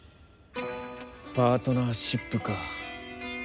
パートナーシップか。